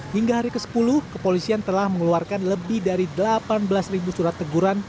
hingga hari ke sepuluh kepolisian telah mengeluarkan lebih dari delapan belas surat teguran